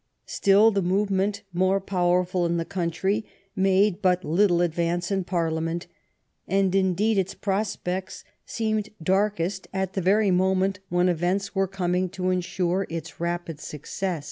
Still the movement, more powerful in the country, made but little advance in Parliament, and, indeed, its prospects seemed darkest at the very moment when events were coming to insure its rapid success.